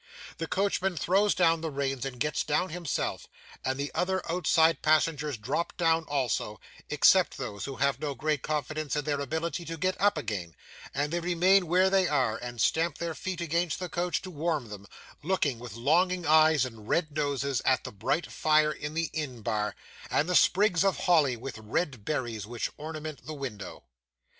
The coachman throws down the reins and gets down himself, and the other outside passengers drop down also; except those who have no great confidence in their ability to get up again; and they remain where they are, and stamp their feet against the coach to warm them looking, with longing eyes and red noses, at the bright fire in the inn bar, and the sprigs of holly with red berries which ornament the window.